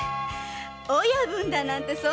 “親分”だなんてそんな。